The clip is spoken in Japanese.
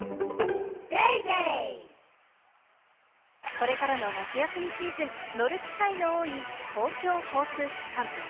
これからの夏休みシーズン、乗る機会の多い公共交通機関。